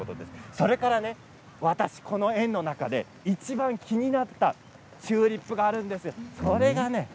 それから私この園の中でいちばん気になったチューリップがあるんです。